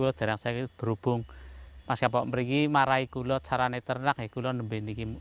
harus maskaspok mereka perlu berhubung